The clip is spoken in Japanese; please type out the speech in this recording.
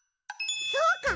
そうか！